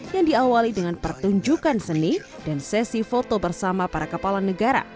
yang diawali dengan pertunjukan seni dan sesi foto bersama para kepala negara